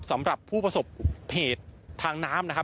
สำหรับผู้ประสบเหตุทางน้ำนะครับ